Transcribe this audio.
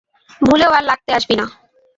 ভুলেও আর লাগতে আসবি না!